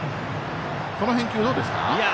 この辺はどうですか？